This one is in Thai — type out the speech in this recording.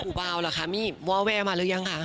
อุปาวแล้วค่ะมีโบเว่หมาหรือยังค่ะ